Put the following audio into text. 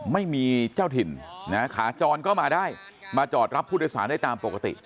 ไม่มีเจ้าถิ่นนะขาจรก็มาได้มาจอดรับผู้โดยสารได้ตามปกติ